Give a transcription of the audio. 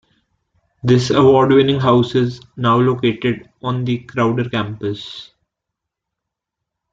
This award winning house is now located on the Crowder campus.